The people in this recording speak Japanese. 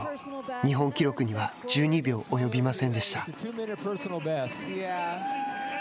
日本記録には、１２秒及びませんでした。